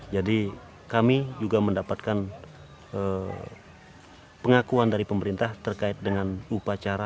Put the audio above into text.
jadi kami juga mendapatkan pengakuan dari pemerintah terkait dengan upacara